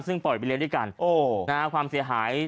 ซึ่งปล่อยไปเลี้ยงด้วยกันความเสียหาย